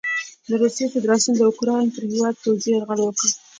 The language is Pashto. د روسیې فدراسیون د اوکراین پر هیواد پوځي یرغل وکړ.